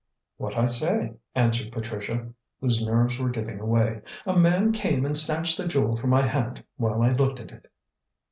"What I say," answered Patricia, whose nerves were giving way. "A man came and snatched the jewel from my hand while I looked at it."